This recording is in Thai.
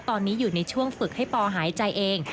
ตอนนี้อยู่ในช่วงฝึกให้ปอหายใจเอง